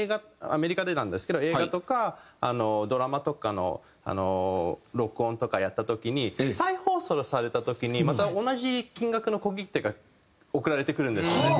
アメリカでなんですけど映画とかドラマとかの録音とかやった時に再放送された時にまた同じ金額の小切手が送られてくるんですね。